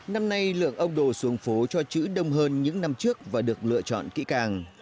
năm nay lượng ông đồ xuống phố cho chữ đông hơn những năm trước và được lựa chọn kỹ càng